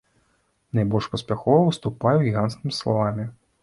Найбольш паспяхова выступае ў гіганцкім слаламе.